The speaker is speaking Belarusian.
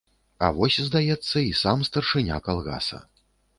А вось, здаецца, і сам старшыня калгаса.